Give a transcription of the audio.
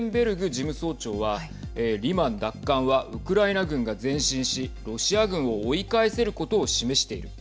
事務総長はリマン奪還はウクライナ軍が前進しロシア軍を追い返せることを示している。